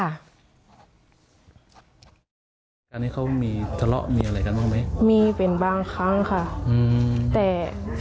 คราวนี้เขามีทะเลาะมีอะไรกันบ้างไหมมีเป็นบางครั้งค่ะอืมแต่